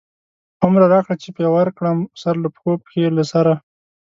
هومره راکړه چی پی ورک کړم، سر له پښو، پښی له سره